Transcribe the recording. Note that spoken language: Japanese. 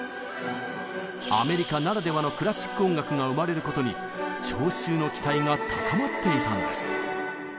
アメリカならではのクラシック音楽が生まれることに聴衆の期待が高まっていたんです。